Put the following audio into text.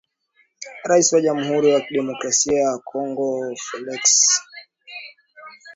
Rais wa Jamhuri ya Kidemokrasia ya Kongo Felix Tchisekedi alitia saini mkataba wa kujiunga, katika hafla iliyofanyika Ikulu ya Nairobi